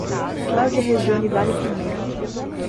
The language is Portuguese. Cláudia Rejanne Vale Pinheiro